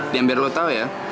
diam biar lo tau ya